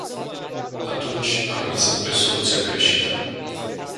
Atunci, am miza pe soluția greșită.